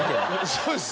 そうです